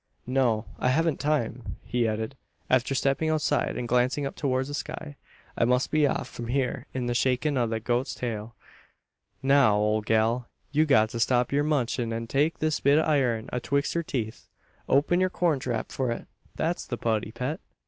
"No, I hevn't time," he added, after stepping outside and glancing up towards the sky. "I must be off from hyur in the shakin' o' a goat's tail. Now, ole gal! you've got to stop yur munchin' an take this bit o' iron atwixt yur teeth. Open yur corn trap for it. That's the putty pet!"